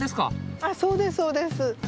あっそうですそうです。